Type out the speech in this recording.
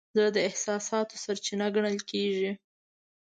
زړه د احساساتو سرچینه ګڼل کېږي.